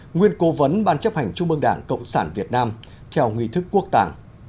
nguyên cố vấn ban chấp hành trung mương đảng cộng sản việt nam theo nguy thức quốc tảng